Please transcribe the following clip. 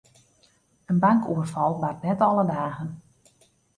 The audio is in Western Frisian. In bankoerfal bart net alle dagen.